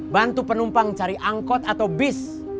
bantu penumpang cari angkot atau bis